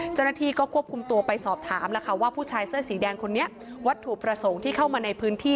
เจ้าหน้าที่ก็ควบคุมตัวไปสอบถามแล้วค่ะว่าผู้ชายเสื้อสีแดงคนนี้วัตถุประสงค์ที่เข้ามาในพื้นที่